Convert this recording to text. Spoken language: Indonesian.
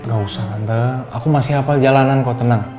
gak usah aku masih hafal jalanan kok tenang